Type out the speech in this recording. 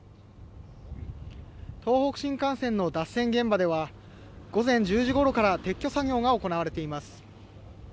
東北新幹線の脱線現場では午前１０時ごろから撤去作業が行われています。